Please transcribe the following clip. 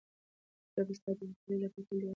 زه به ستا د خوشحالۍ لپاره تل دعا کوم.